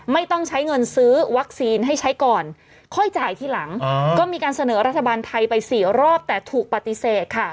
ไม่ต้องใช้เงินซื้อวัคซีนให้ใช้ก่อนค่อยจ่ายทีหลังก็มีการเสนอรัฐบาลไทยไปสี่รอบแต่ถูกปฏิเสธค่ะ